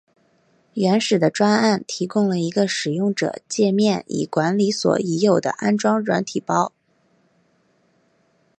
原始的专案提供了一个使用者介面以管理所有已安装的软体包。